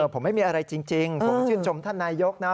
ผมไม่มีอะไรจริงผมชื่นชมท่านนายกนะ